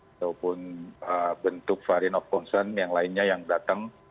ataupun bentuk varian of concern yang lainnya yang datang